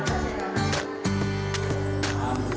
di indonesia sebesar tujuh enam ratus anak